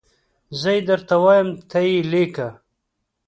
زه یي درته وایم ته یي لیکه